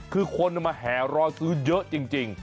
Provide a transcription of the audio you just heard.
คือคนมันมาหห่ายรอซื้อเยอะจริง